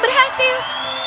dan dengan itu gwen menang